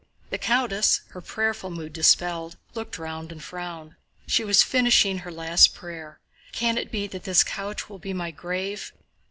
The countess—her prayerful mood dispelled—looked round and frowned. She was finishing her last prayer: "Can it be that this couch will be my grave?"